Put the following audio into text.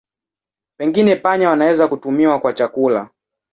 Pengine panya wanaweza kutumiwa kwa chakula.